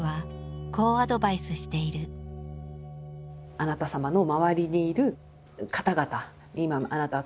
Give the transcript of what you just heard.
あなた様の周りにいる方々